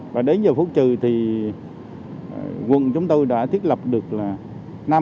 và đến giờ phút trừ thì quận chúng tôi đã thiết lập được là